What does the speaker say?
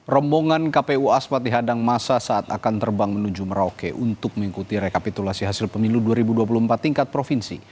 rombongan kpu aspat dihadang masa saat akan terbang menuju merauke untuk mengikuti rekapitulasi hasil pemilu dua ribu dua puluh empat tingkat provinsi